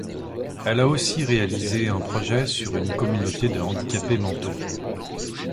Elle a aussi réalisé un projet sur une communauté de handicapés mentaux.